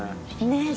「ねえ。